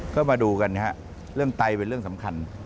ก็มาดูกันนะครับเรื่องไตเป็นเรื่องสำคัญ